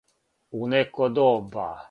У неко доба.